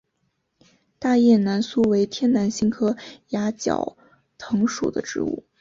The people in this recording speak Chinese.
大叶南苏为天南星科崖角藤属的植物。